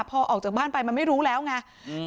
พอออกจากบ้านไปมันไม่รู้แล้วไงอืม